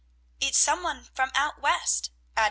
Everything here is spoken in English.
"It's some one from out West," added Sue.